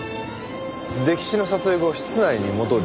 溺死の撮影後室内に戻り